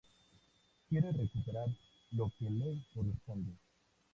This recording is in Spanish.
Quiere recuperar lo que le corresponde.